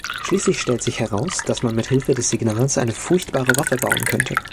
Schließlich stellt sich heraus, dass man mithilfe des Signals eine furchtbare Waffe bauen könnte.